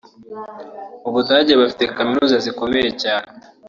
Mu Budage bafite kaminuza zikomeye cyane